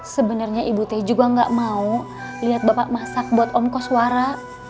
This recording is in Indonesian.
sebenarnya ibu teh juga nggak mau liat bapak masak buat om koswara